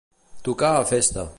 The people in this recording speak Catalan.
Tocar a festa.